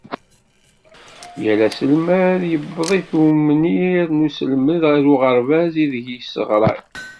Yal aselmad yewweḍ-it umnir n uselmed ar uɣerbaz ideg yesseɣray.